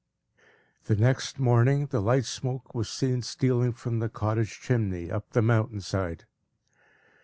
The next morning, the light smoke was seen stealing from the cottage chimney, up the mountain side.